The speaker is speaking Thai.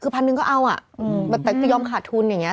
คือพันหนึ่งก็เอาอ่ะแต่จะยอมขาดทุนอย่างนี้